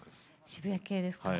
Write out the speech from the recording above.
渋谷系ですか？